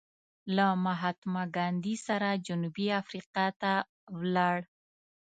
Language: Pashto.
له مهاتما ګاندې سره جنوبي افریقا ته ولاړ.